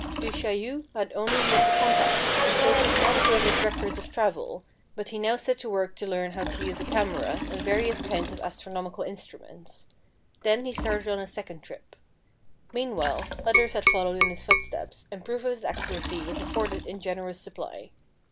Du Chaillu had used only a compass, and so could not prove his records of travel, but he now set to work to learn how to use a camera and various kinds of astronomical instruments. Then he started on a second trip. Meanwhile, others had followed in his footsteps, and proof of his accuracy was afforded in gen erous supply.